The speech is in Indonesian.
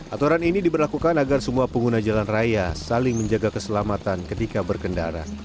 aturan ini diberlakukan agar semua pengguna jalan raya saling menjaga keselamatan ketika berkendara